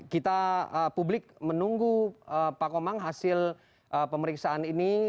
kita publik menunggu pak komang hasil pemeriksaan ini